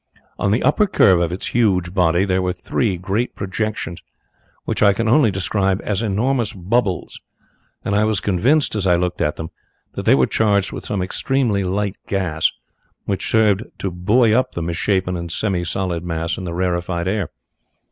On the upper curve of its huge body there were three great projections which I can only describe as enormous bubbles, and I was convinced as I looked at them that they were charged with some extremely light gas which served to buoy up the misshapen and semi solid mass in the rarefied air.